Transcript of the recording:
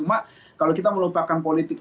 mak kalau kita melupakan politik